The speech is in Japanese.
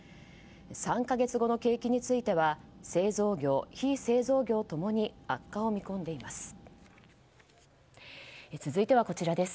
３か月後の景気については製造業、非製造業共に悪化を見込んでいます。